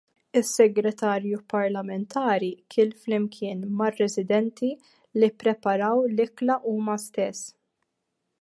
Is-Segretarju Parlamentari kiel flimkien mar-residenti li ppreparaw l-ikla huma stess.